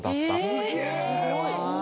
すげえ！